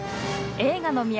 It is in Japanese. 映画の都